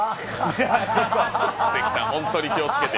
ちょっと。